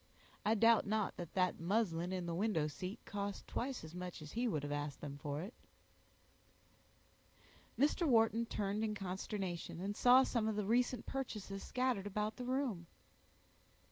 I doubt not that that muslin in the window seat cost twice as much as he would have asked them for it." Mr. Wharton turned in consternation, and saw some of the recent purchases scattered about the room.